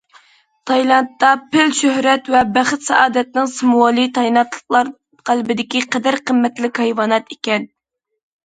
تايلاندتا پىل شۆھرەت ۋە بەخت- سائادەتنىڭ سىمۋولى، تايلاندلىقلار قەلبىدىكى قەدىر- قىممەتلىك ھايۋانات ئىكەن.